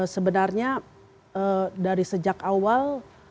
sebenarnya dari sejak awal